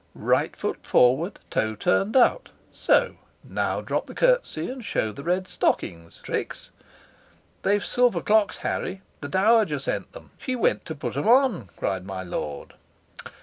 "Right foot forward, toe turned out, so: now drop the curtsy, and show the red stockings, Trix. They've silver clocks, Harry. The Dowager sent 'em. She went to put 'em on," cries my lord.